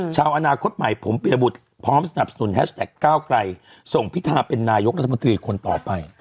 ชาวอนาคตใหม่ผมปียบุตรพร้อมสนับสนุนแฮชแท็กก้าวไกลส่งพิธาเป็นนายกรัฐมนตรีคนต่อไป